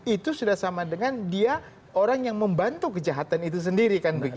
itu sudah sama dengan dia orang yang membantu kejahatan itu sendiri kan begitu